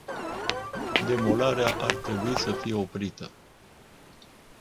Demolarea ar trebui să fie oprită.